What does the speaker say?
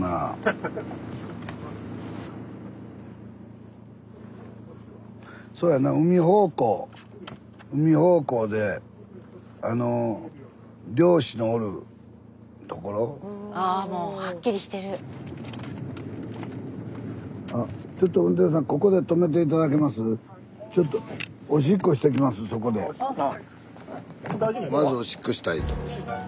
スタジオまずおしっこしたいと。